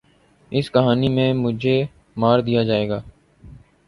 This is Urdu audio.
ﺍﺱ ﮐﮩﺎﻧﯽ ﻣﯿﮟ ﻣﺠﮭﮯ ﻣﺎﺭ ﺩﯾﺎ ﺟﺎﺋﮯ ﮔﺎ